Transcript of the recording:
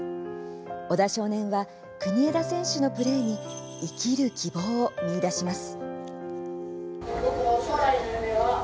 小田少年は、国枝選手のプレーに生きる希望を見いだします。